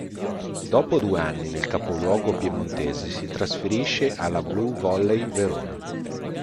Dopo due anni nel capoluogo piemontese si trasferisce alla BluVolley Verona.